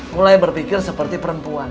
mulai berpikir seperti perempuan